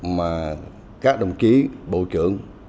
và các đồng chí bộ trưởng